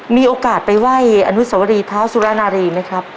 มีโอกาสไปไหว้อนุสวรีเท้าสุรนารีไหมครับ